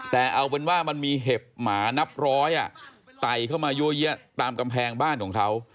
แต่เอาเป็นว่ามันมีเห็บหมานับร้อยไต่เข้ามายั่วเยี้ยตามกำแพงบ้านของเขา